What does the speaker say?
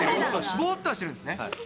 ぼーっとはしてるんですね。